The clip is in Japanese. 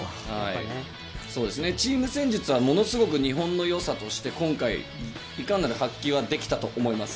チーム戦術はものすごく日本のよさとして今回、いかんなく発揮はできたと思います。